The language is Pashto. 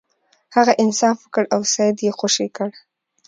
هغه انصاف وکړ او سید یې خوشې کړ.